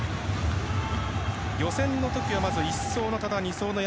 予選の時はまず１走の多田、２走の山縣